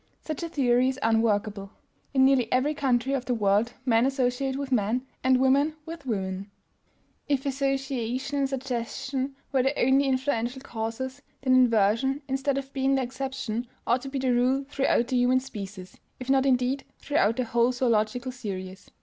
Such a theory is unworkable. In nearly every country of the world men associate with men, and women with women; if association and suggestion were the only influential causes, then inversion, instead of being the exception, ought to be the rule throughout the human species, if not, indeed, throughout the whole zoölogical series.